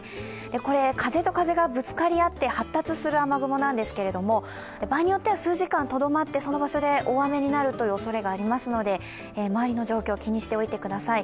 これ風と風がぶつかり合って発達する雨雲なんですけれども、場合によっては数時間とどまってその場所で大雨になるおそれがありますので周りの状況を気にしておいてください。